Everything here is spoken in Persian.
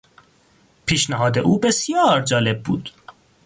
پیشنهاد او بسیار جالب بود.